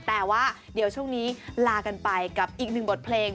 แต่ว่าเดี๋ยวช่วงนี้ลากันไปกับอีกหนึ่งบทเพลง